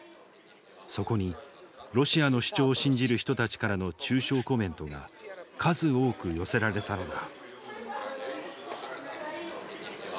そこにロシアの主張を信じる人たちからの中傷コメントが数多く寄せられたのだ。